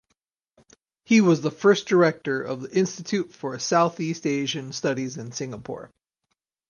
He was the first director of the Institute for Southeast Asian Studies in Singapore.